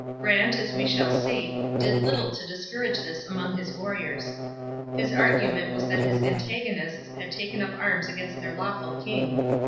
Brant, as we shall see, did little to discourage this among his warriors. His argument was that his antagonists had taken up arms against their lawful king.